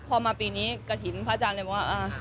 พอมาปีนี้กระถิ่นพระอาจารย์เลยบอกว่า